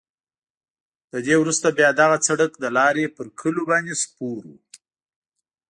له دې وروسته بیا دغه سړک د لارې پر کلیو باندې سپور وو.